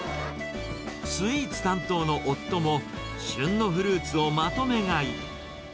スイーツ担当の夫も旬のフルーツをまとめ買い。